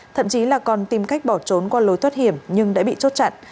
thậm chí là còn tìm cách bỏ trốn qua lối thoát hiểm nhưng đã bị chốt chặn